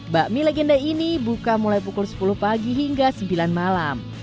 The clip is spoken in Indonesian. bakmi legenda ini buka mulai pukul sepuluh pagi hingga sembilan malam